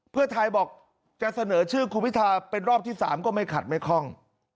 เพื่อไทยบอกจะเสนอชื่อคุณพิทาเป็นรอบที่๓ก็ไม่ขัดไม่คล่อง